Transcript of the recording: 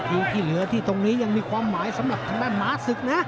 ที่เหลือที่ตรงนี้ยังมีความหมายสำหรับทางด้านหมาศึกนะ